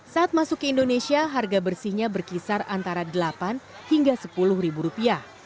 saat masuk ke indonesia harga bersihnya berkisar antara rp delapan hingga rp sepuluh